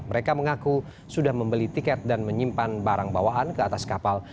mereka mengaku sudah membeli tiket dan menyimpan barang bawaan ke atas kapal